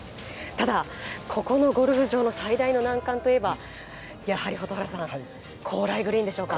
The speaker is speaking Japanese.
ただ、ここのゴルフ場の最大の難関といえばやはり蛍原さん、高麗グリーンでしょうか。